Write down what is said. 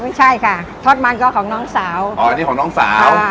ไม่ใช่ค่ะทอดมันก็ของน้องสาวอ๋ออันนี้ของน้องสาว